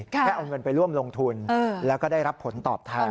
แค่เอาเงินไปร่วมลงทุนแล้วก็ได้รับผลตอบแทน